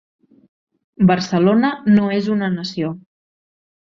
Barcelona no és una nació.